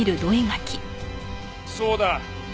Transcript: そうだ。